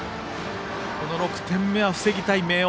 ６点目は防ぎたい明桜。